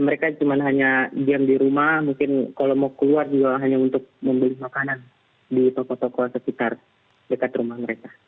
mereka cuma hanya diam di rumah mungkin kalau mau keluar juga hanya untuk membeli makanan di toko toko sekitar dekat rumah mereka